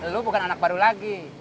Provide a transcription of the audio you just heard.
lu bukan anak baru lagi